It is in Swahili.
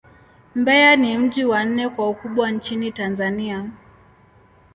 Mbeya ni mji wa nne kwa ukubwa nchini Tanzania.